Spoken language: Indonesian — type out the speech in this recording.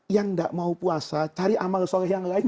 yang tidak mau puasa cari amal soleh yang lain